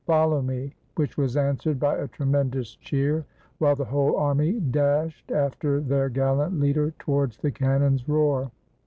Follow me!" which was answered by a tremen dous cheer, while the whole army dashed after their gal lant leader towards the cannon's roar.